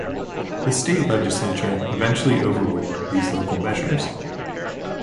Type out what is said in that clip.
The state legislature eventually overruled these local measures.